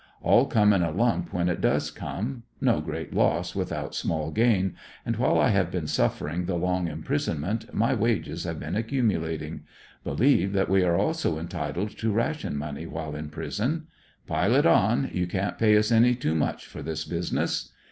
All come in a lump when it does come. No great loss without small gain, and while I have been suffering the long im prisonment my wages have been accumulating. Believe that we are alse entitled to ration money while in prison. Pile it on, you can't pay us any too much for this business.